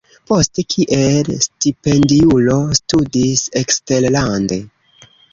Poste kiel stipendiulo studis eksterlande.